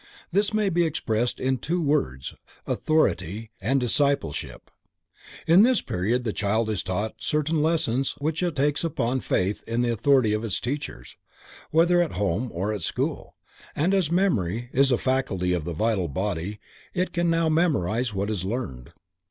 This may be expressed in the two words Authority and Discipleship. In this period the child is taught certain lessons which it takes upon faith in the authority of its teachers, whether at home or at school, and as memory is a faculty of the vital body it can now memorize what is learned.